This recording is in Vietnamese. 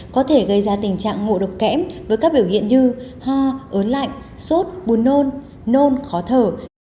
có thể gây ra tình trạng ngộ độc kém với các biểu hiện như ho ớn lạnh sốt bùn nôn nôn khó thở